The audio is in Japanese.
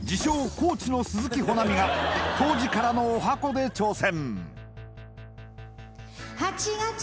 高知の鈴木保奈美が当時からの十八番で挑戦